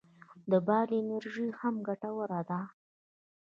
د باد انرژي هم ګټوره ده